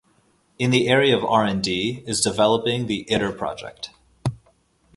In the area of R and D, is developing the Iter project.